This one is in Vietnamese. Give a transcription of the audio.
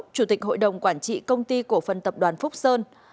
chủ tịch hội đồng quản trị công ty cổ phần tập đoàn phúc sơn